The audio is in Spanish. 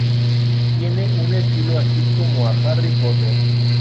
Tiene un estilo así como a "Harry Potter"